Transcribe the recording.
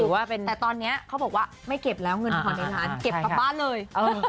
แต่ตอนนี้เขาบอกว่าไม่เก็บแล้วเงินผ่อนในร้านเก็บกลับบ้านเลย